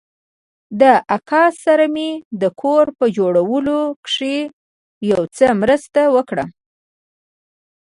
له اکا سره مې د کور په جوړولو کښې يو څه مرسته وکړه.